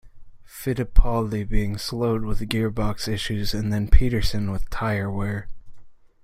Fittipaldi being slowed with gearbox issues, and then Peterson with tyre wear.